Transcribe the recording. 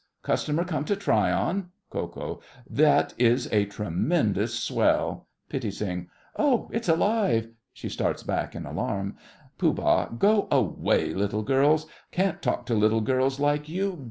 Customer come to try on? KO. That is a Tremendous Swell. PITTI. Oh, it's alive. (She starts back in alarm.) POOH. Go away, little girls. Can't talk to little girls like you.